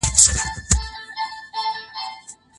ډېر ماهر وو په کتار کي د سیالانو